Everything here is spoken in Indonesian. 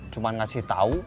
cuma ngasih tau